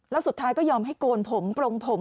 แล้วสุดท้ายก็ยอมให้โกนผมปลงผม